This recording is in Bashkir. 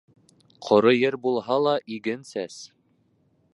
Ҡоро ер булһа ла иген сәс.